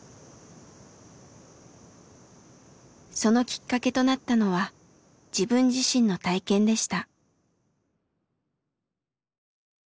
そのきっかけとなったのは自分自身の体験でした。